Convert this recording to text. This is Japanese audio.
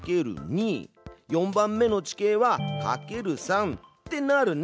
４番目の地形はかける３ってなるね。